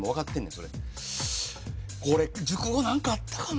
それこれ熟語何かあったかな？